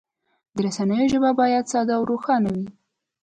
د رسنیو ژبه باید ساده او روښانه وي.